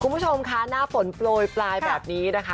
คุณผู้ชมค่ะหน้าฝนโปรยปลายแบบนี้นะคะ